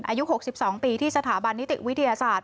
อายุ๖๒ปีที่สถาบันนิติวิทยาศาสตร์